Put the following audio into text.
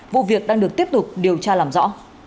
vụ việc đang được tiếp tục điều tra làm rõ